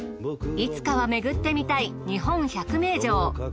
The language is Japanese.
いつかはめぐってみたい日本１００名城。